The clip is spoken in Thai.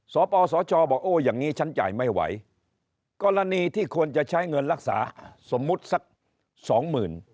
สปสชบอกโอ้อย่างนี้ฉันจ่ายไม่ไหวกรณีที่ควรจะใช้เงินรักษาสมมุติสักสองหมื่น